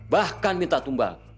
bahkan minta tumbang